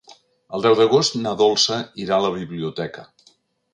El deu d'agost na Dolça irà a la biblioteca.